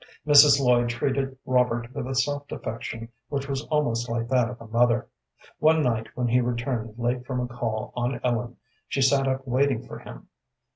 Mrs. Lloyd treated Robert with a soft affection which was almost like that of a mother. One night, when he returned late from a call on Ellen, she sat up waiting for him.